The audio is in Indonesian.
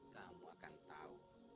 kamu akan tahu